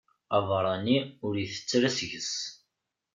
Abeṛṛani ur itett ara seg-s.